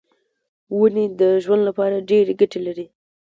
ونې د ژوند لپاره ډېرې ګټې لري.